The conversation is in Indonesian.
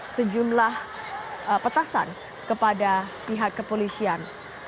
sejumlah petasan kepada pihak kepolisian